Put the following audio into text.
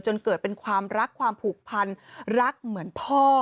จนเกิดเป็นความรักความผูกพันรักเหมือนพ่อ